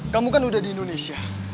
kamu kan udah di indonesia